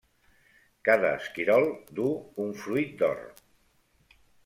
Cada esquirol duu un fruit d'or.